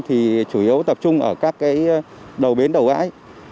thì chủ yếu tập trung ở các đầu bến đầu bãi